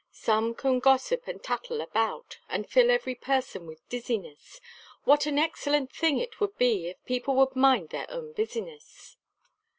Some can gossip and tattle about, And fill every person with dizziness, What an excellent thing it would be, If people would mind their own business.